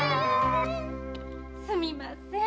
すみません。